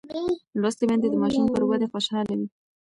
لوستې میندې د ماشوم پر ودې خوشحاله وي.